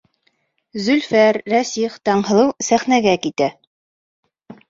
Зөлфәр, Рәсих, Таңһылыу сәхнәгә китә.